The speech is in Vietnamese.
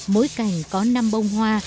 mỗi cành có năm bông hoa